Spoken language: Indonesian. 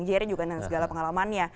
jaringan juga dan segala pengalamannya